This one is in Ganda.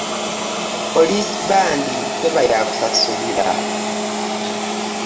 Police bond teba yaakusasulira.